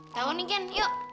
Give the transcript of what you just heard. tahu nih ken yuk